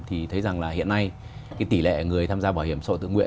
thì thấy rằng là hiện nay tỷ lệ người tham gia bảo hiểm xã hội tự nguyện